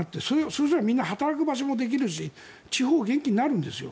そうしたらみんな働く場所もできるし地方が元気になるんです。